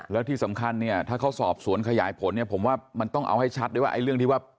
แล้วที่สำคัญเนี่ยถ้าเขาสอบสวนขยายผลเนี่ยผมว่ามันต้องเอาให้ชัดด้วยว่า